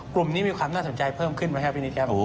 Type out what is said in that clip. กลุ่มนี้มีความน่าสนใจเพิ่มขึ้นไหมครับพี่นิดครับ